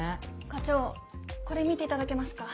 課長これ見ていただけますか。